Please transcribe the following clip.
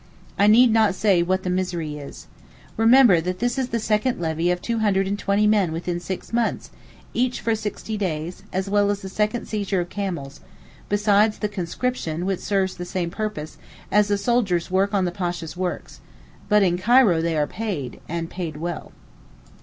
I need not say what the misery is. Remember that this is the second levy of 220 men within six months, each for sixty days, as well as the second seizure of camels; besides the conscription, which serves the same purpose, as the soldiers work on the Pasha's works. But in Cairo they are paid—and well paid.